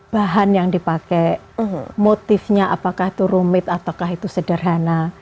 bahan yang dipakai motifnya apakah itu rumit atau sederhana